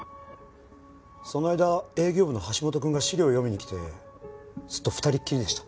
その間営業部の橋下くんが資料を読みに来てずっと２人っきりでした。